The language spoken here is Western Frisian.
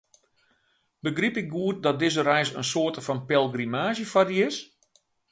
Begryp ik it goed dat dizze reis in soarte fan pelgrimaazje foar dy is?